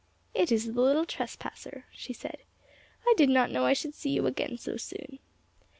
'It is the little trespasser,' she said. 'I did not know I should see you again so soon.'